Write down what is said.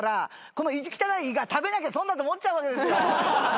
この意地汚いが食べなきゃ損だと思っちゃうわけですよ。